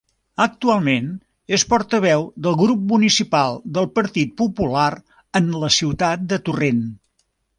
Actualment és portaveu del Grup Municipal del Partit Popular en la ciutat de Torrent.